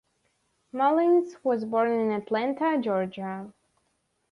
Mullins was born in Atlanta, Georgia.